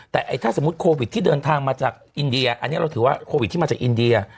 แต่ถ้าสมมุติโควิดที่เดินทางมาจากอินเดียอันนี้เราถือว่าโควิดที่มาจากอินเดีย